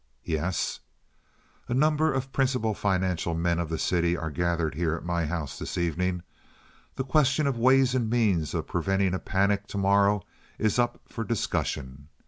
"Yes." "A number of the principal financial men of the city are gathered here at my house this evening. The question of ways and means of preventing a panic to morrow is up for discussion.